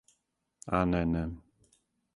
А, не, не.